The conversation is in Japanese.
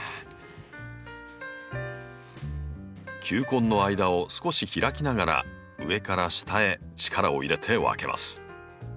球根の間を少し開きながら上から下へ力を入れて分けます。